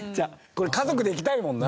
これ家族で行きたいもんな。